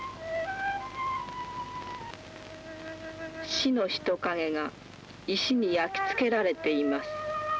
死の人影が石に焼きつけられています。